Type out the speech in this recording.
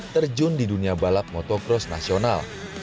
terjun di dunia balap motocross nasional